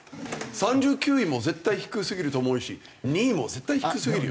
３９位も絶対低すぎると思うし２位も絶対低すぎるよ。